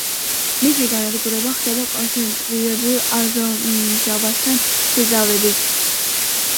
მისი განადგურება ხდება კონცენტრირებულ აზოტმჟავასთან შეზავებით.